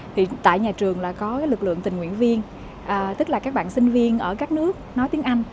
thì tại nhà trường là có lực lượng tình nguyện viên tức là các bạn sinh viên ở các nước nói tiếng anh